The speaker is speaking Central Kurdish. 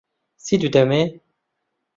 چیت بدەمێ؟